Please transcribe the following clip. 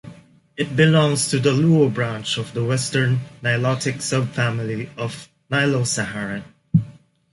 It belongs to the Luo branch of the Western Nilotic subfamily of Nilo-Saharan.